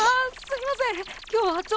すいません。